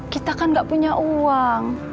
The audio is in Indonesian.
kita kan gak punya uang